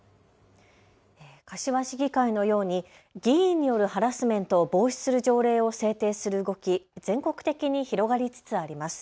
柏市議会のように議員によるハラスメントを防止する条例を制定する動き、全国的に広がりつつあります。